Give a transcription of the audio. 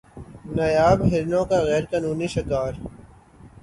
نایاب ہرنوں کا غیر قانونی شکار